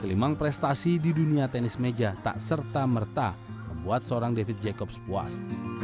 selimang prestasi di dunia tenis meja tak serta merta membuat seorang david jacobs puas